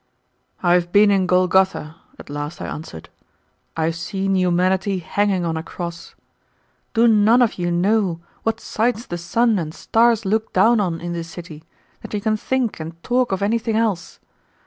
"I have been in Golgotha," at last I answered. "I have seen Humanity hanging on a cross! Do none of you know what sights the sun and stars look down on in this city, that you can think and talk of anything else?